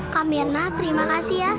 kamirna terima kasih ya